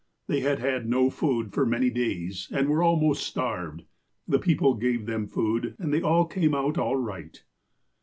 They had had no food for many days, and were almost starved. The people gave them food, and they all came out all right."